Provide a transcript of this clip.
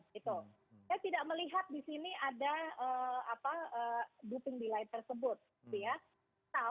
kita tidak melihat di sini ada doping delight tersebut